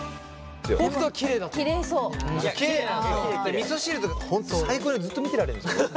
みそ汁とか本当最高でずっと見てられるんですよ。